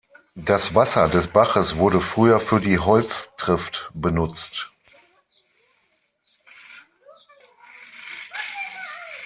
Das Wasser des Baches wurde früher für die Holztrift benutzt.